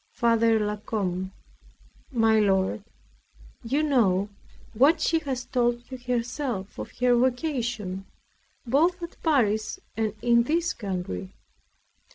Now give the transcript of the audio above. F. LA COMBE My lord, you know what she has told you herself of her vocation, both at Paris and in this country.